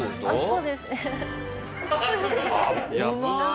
ああ！